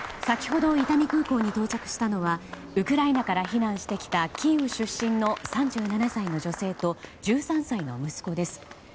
先ほど伊丹空港に到着したのはウクライナから避難してきたキーウ出身の３７歳の女性と１３歳の息子です。